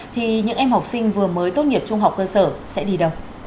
thì những em học sinh vừa mới tốt nghiệp trung học cơ sở sẽ đi đâu